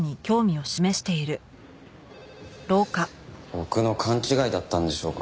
僕の勘違いだったんでしょうか？